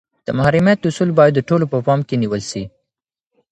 د محرمیت اصول باید د ټولو په پام کي نیول سي.